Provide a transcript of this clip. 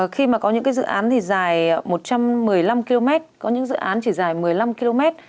khi mà có những dự án thì dài một trăm một mươi năm km có những dự án chỉ dài một mươi năm km